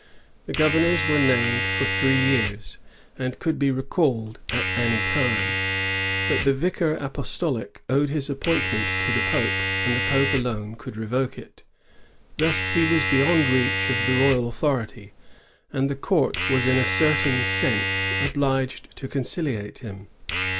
The governors were named for three years, and could be recalled at any time ; but the vicar apostolic owed his appointment to the Pope, and the Pope alone could revoke it. Thus he was beyond reach of the royal authority, and the court was in a certain sense obliged to conciliate him.